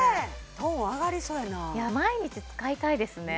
トーン上がりそうやな毎日使いたいですね